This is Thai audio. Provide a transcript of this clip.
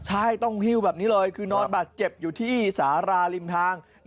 ใช่ต้องหิ้วแบบนี้เลยคือนอนบาดเจ็บอยู่ที่สาราริมทาง